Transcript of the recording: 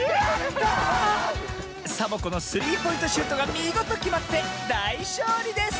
サボ子のスリーポイントシュートがみごときまってだいしょうりです！